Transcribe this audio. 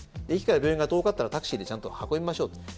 駅から病院が遠かったらタクシーでちゃんと運びましょう。